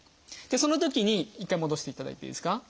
そのときに一回戻していただいていいですか？